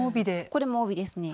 これも帯ですね。